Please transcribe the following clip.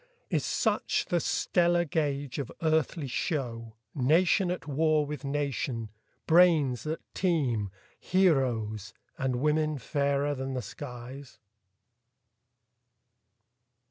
Is such the stellar gauge of earthly show, Nation at war with nation, brains that teem, Heroes, and women fairer than the skies?